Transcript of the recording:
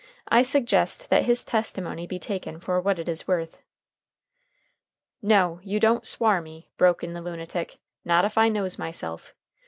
I suggest that his testimony be taken for what it is worth." "No, you don't swar me," broke in the lunatic. "Not if I knows myself.